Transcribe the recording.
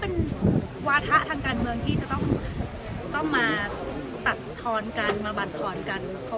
มาตอบยั้มแต่ว่าเขาไม่มีของจริงนะก็ต้องเอาแบบนั้นมา